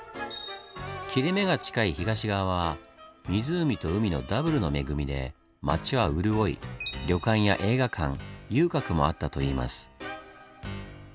「切れ目」が近い東側は「湖」と「海」のダブルの恵みで町は潤い旅館や映画館遊郭もあったといいます。